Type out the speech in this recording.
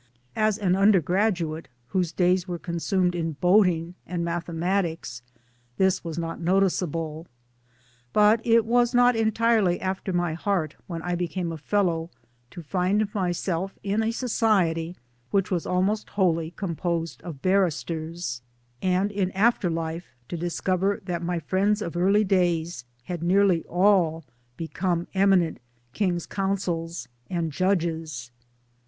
As an undergraduate, whose days were consumed in boating and mathe matics, this was not noticeable ; but it was not entirely after my heart when I became a Fellow, to find myself in a society which was almost wholly composed of barristers ; and in after life to discover that my friends of early days had nearly all become eminent K.C.'s and Judges